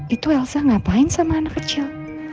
itu elsa ngapain sama anak kecil